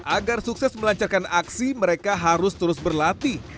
agar sukses melancarkan aksi mereka harus terus berlatih